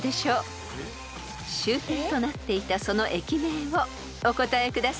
［終点となっていたその駅名をお答えください］